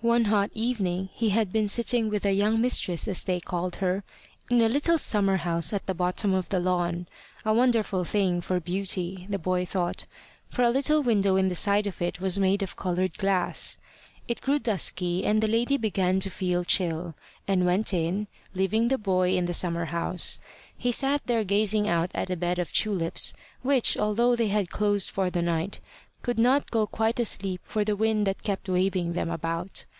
One hot evening, he had been sitting with the young mistress, as they called her, in a little summer house at the bottom of the lawn a wonderful thing for beauty, the boy thought, for a little window in the side of it was made of coloured glass. It grew dusky, and the lady began to feel chill, and went in, leaving the boy in the summer house. He sat there gazing out at a bed of tulips, which, although they had closed for the night, could not go quite asleep for the wind that kept waving them about.